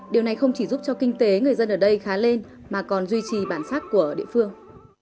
điều này không chỉ giúp cho kinh tế người dân ở đây khá lên mà còn duy trì bản sắc của địa phương